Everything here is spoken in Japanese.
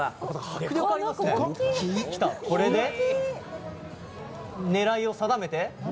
これで、狙いを定めて。